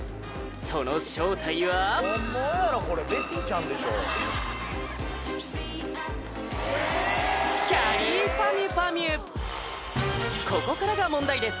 その正体はここからが問題です